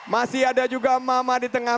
masih ada juga mama di tengah